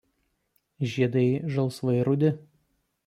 Žiedai žalsvai rudi.